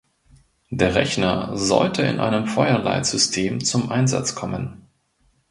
Der Rechner sollte in einem Feuerleitsystem zum Einsatz kommen.